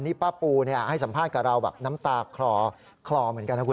นี่ป้าปูที่สัมภาษณ์กับเราน้ำตาปจะคลอเหมือนกันนะคุณอา